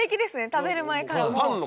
食べる前から。